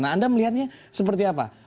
nah anda melihatnya seperti apa